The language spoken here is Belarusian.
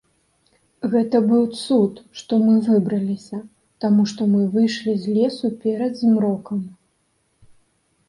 Гэта быў цуд, што мы выбраліся, таму што мы выйшлі з лесу перад змрокам.